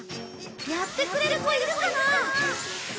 やってくれる子いるかな？